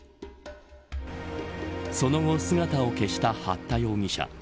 その後、姿を消した八田容疑者。